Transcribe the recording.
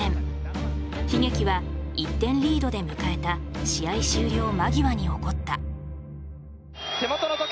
悲劇は１点リードで迎えた試合終了間際に起こった。